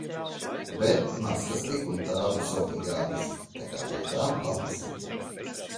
Bet maskas tik un tā būs obligātās, tā ka pie tām paliksim.